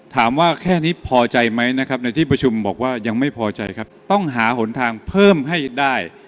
ถามว่าแค่นี้พอใจไหมนะครับในที่ประชุมบอกว่ายังไม่พอใจครับต้องหาหนทางเพิ่มให้ได้